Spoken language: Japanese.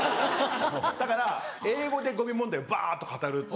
だから英語でゴミ問題をばっと語る。